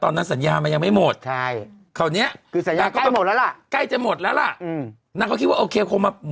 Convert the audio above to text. นางก็คิดว่าโอเคคงมา